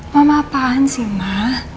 mama apaan sih ma